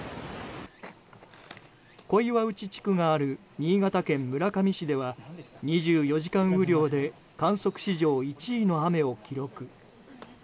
小岩内地区がある新潟県村上市では２４時間雨量で観測史上１位の雨を記録。